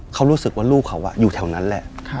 เขารู้สึกว่าลูกเขาอยู่แถวนั้นแหละ